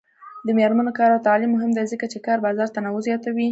د میرمنو کار او تعلیم مهم دی ځکه چې کار بازار تنوع زیاتوي.